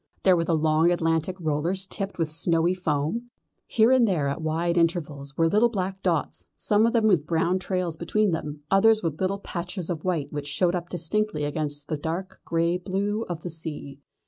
There were the long Atlantic rollers tipped with snowy foam. Here and there at wide intervals were little black dots, some of them with brown trails behind them, others with little patches of white which showed up distinctly against the dark grey blue of the sea.